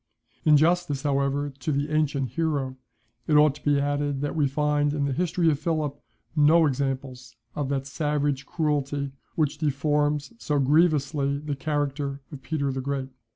In justice, however, to the ancient hero, it ought to be added, that we find in the history of Philip no examples of that savage cruelty which deforms so grievously the character of Peter the Great.